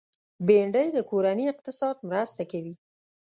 بېنډۍ د کورني اقتصاد مرسته کوي